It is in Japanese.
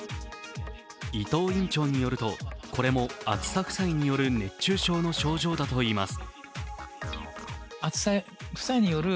伊藤院長によると、これも暑さ負債による熱中症の症状だといいます。